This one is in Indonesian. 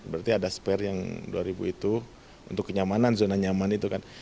berarti ada spare yang dua ribu itu untuk kenyamanan zona nyaman itu kan